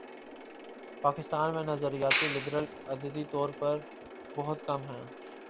پاکستان میں نظریاتی لبرل عددی طور پر بہت کم ہیں۔